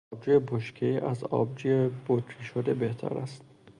آبجو بشکهای از آبجو بطری شده بهتر است.